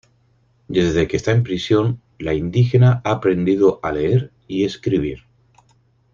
Desde que está en prisión la indígena ha aprendido a leer y escribir.